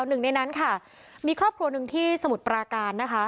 หนึ่งในนั้นค่ะมีครอบครัวหนึ่งที่สมุทรปราการนะคะ